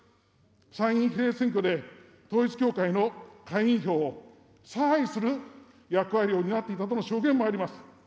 参院比例選挙で統一教会の会員票を差配する役割を担っていたとの証言もあります。